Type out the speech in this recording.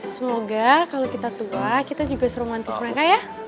semoga kalau kita tua kita juga seromantis mereka ya